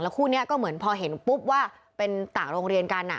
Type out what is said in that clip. คู่นี้ก็เหมือนพอเห็นปุ๊บว่าเป็นต่างโรงเรียนกัน